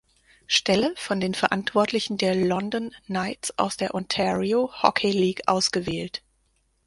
Stelle von den Verantwortlichen der London Knights aus der Ontario Hockey League ausgewählt.